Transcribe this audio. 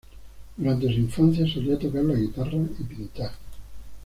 Durante su infancia solía tocar la guitarra y pintar.